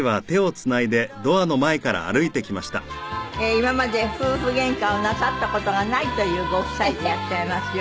今まで夫婦げんかをなさった事がないというご夫妻でいらっしゃいますよ。